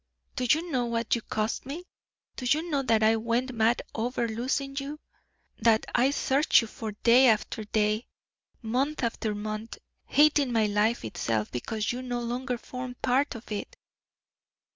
Do you know what you cost me? Do you know that I went mad over losing you? that I searched for you day after day, month after month, hating my life itself because you no longer formed part of it!